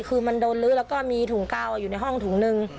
คือมันโดนลื้อแล้วก็มีถุงกาวอยู่ในห้องถุงหนึ่ง